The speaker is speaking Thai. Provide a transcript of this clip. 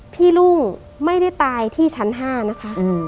ลุงไม่ได้ตายที่ชั้น๕นะคะ